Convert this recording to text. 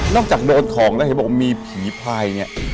นอกจากโดดของแล้วจะบอกว่ามีผีพลายนี่